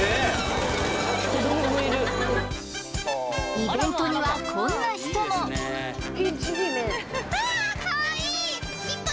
イベントにはこんな人もわっかわいい！